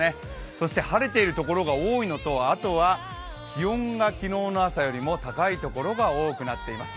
そして晴れてるところが多いのと、あとは気温が昨日の朝よりも高いところが多くなっています。